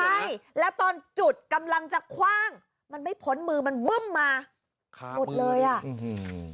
ใช่แล้วตอนจุดกำลังจะคว่างมันไม่พ้นมือมันบึ้มมาครับหมดเลยอ่ะอืม